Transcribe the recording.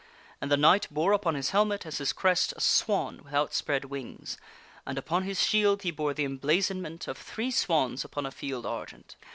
And the knight bore upon his helmet as his crest a swan with outspread wings, and upon his shield he bore the emblazonment of three swans upon a field argent.